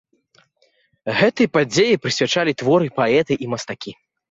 Гэтай падзеі прысвячалі творы паэты і мастакі.